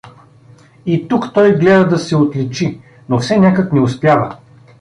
И тук той гледа да се отличи, но все някак не успява.